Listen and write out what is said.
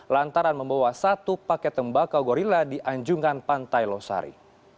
lantaran membawa satu paket tembakau gorilla di anjungan pantai losari